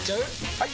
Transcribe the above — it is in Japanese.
・はい！